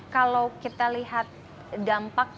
kalau kita lihat dampak